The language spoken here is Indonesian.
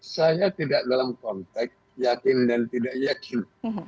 saya tidak dalam konteks yakin dan tidak yakin